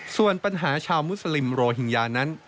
ส่วนปัญหาชาวมุสลิมโรฮิงญานั้น